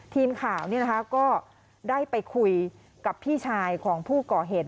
ทีมข่าวก็ได้ไปคุยกับพี่ชายของผู้ก่อเหตุ